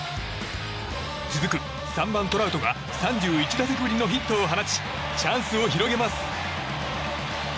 続く３番、トラウトが３１打席ぶりのヒットを放ちチャンスを広げます。